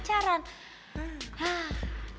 atau lagi pacaran